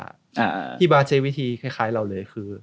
ของพี่บาสใช้วิธีคล้ายเราเลยคือ